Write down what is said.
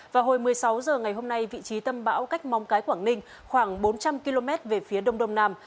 vào hồi một mươi sáu h ngày hôm nay vị trí tâm bão cách mong cái quảng ninh khoảng bốn trăm linh km về phía đông đông nam